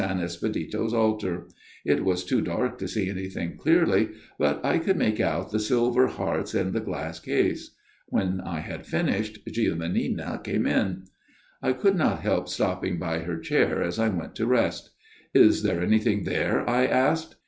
Espedito's altar ; it was too dark to see anything clearly, but I could make out the silver hearts in the glass case. When I had finished, Giovannina came in. " I could not help stopping by her chair as I went to rest. "' Is there anything there ?' I asked.